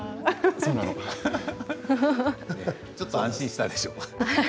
ちょっと安心したでしょう？